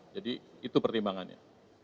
jadi itu pertimbangannya